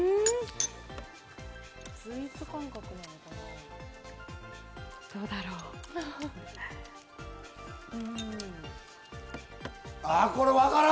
スイーツ感覚なのかな？